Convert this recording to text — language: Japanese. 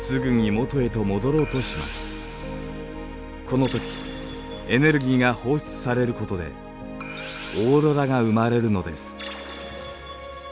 このときエネルギーが放出されることでオーロラが生まれるのです。